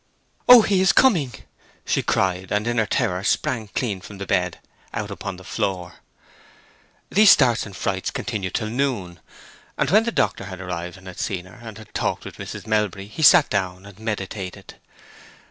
"Oh, he is coming!" she cried, and in her terror sprang clean from the bed out upon the floor. These starts and frights continued till noon; and when the doctor had arrived and had seen her, and had talked with Mrs. Melbury, he sat down and meditated.